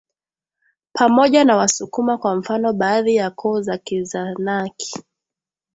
pamoja na Wasukuma kwa mfano baadhi ya koo za Kizanaki